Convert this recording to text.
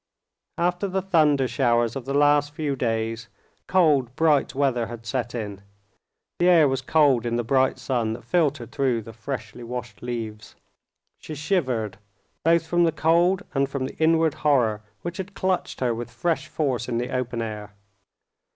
After the thunder showers of the last few days, cold, bright weather had set in. The air was cold in the bright sun that filtered through the freshly washed leaves. She shivered, both from the cold and from the inward horror which had clutched her with fresh force in the open air.